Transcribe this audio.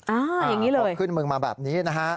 อ่าอย่างนี้เลยบอกขึ้นมึงมาแบบนี้นะฮะ